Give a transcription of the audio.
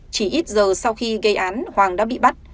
chỉ ít giờ sau khi gây án hoàng đã bị bắt